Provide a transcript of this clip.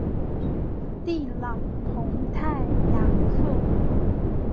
蒂朗蓬泰雅克。